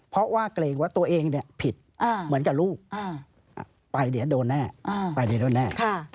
เพราะว่าเกรงว่าตัวเองผิดเหมือนกับลูกไปเดี๋ยวโดนแน่